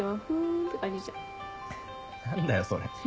何だよそれ。